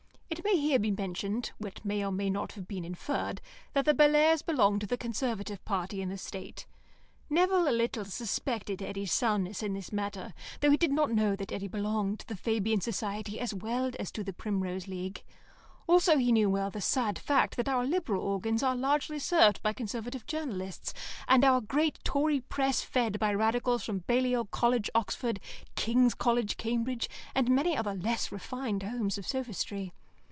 It may here be mentioned (what may or may not have been inferred) that the Bellairs' belonged to the Conservative party in the state. Nevill a little suspected Eddy's soundness in this matter (though he did not know that Eddy belonged to the Fabian Society as well as to the Primrose League). Also he knew well the sad fact that our Liberal organs are largely served by Conservative journalists, and our great Tory press fed by Radicals from Balliol College, Oxford, King's College, Cambridge, and many other less refined homes of sophistry.